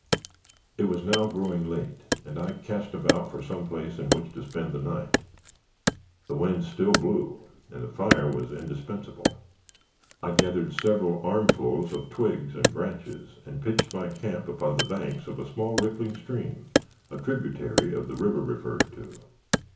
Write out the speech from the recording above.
It was now growing late, and I cast about for some place in which to spend the night. The wind still blew, and a fire was indispensable. I gathered several armfuls of twigs and branches, and pitched my camp upon the banks of a small rippling stream, a tributary of the river referred to.